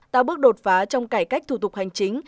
tạo bước đột phá trong cải cách thủ tục hành chính